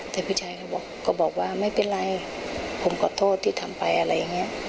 แต่ผู้ชายก็บอกว่าไม่เป็นไรผมขอโทษที่ทำไปอะไรแบบนี้